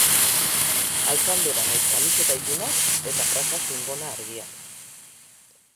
Alkandora nahiz kamiseta ilunak eta praka zein gona argiak.